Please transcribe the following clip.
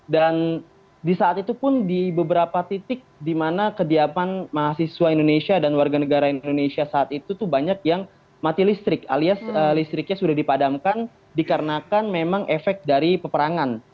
di saat itu pun di beberapa titik di mana kediaman mahasiswa indonesia dan warga negara indonesia saat itu tuh banyak yang mati listrik alias listriknya sudah dipadamkan dikarenakan memang efek dari peperangan